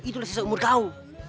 itulah sisa umur kau